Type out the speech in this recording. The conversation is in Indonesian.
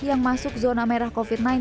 yang masuk zona merah covid sembilan belas